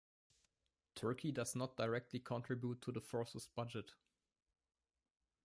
Turkey does not directly contribute to the force's budget.